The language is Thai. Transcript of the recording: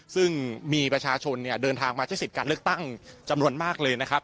ซึ่งมีประชาชนเนี่ยเดินทางมาใช้สิทธิ์การเลือกตั้งจำนวนมากเลยนะครับ